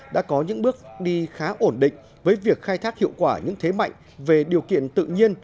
đã có những bước đi khá ổn định với việc khai thác hiệu quả những thế mạnh về điều kiện tự nhiên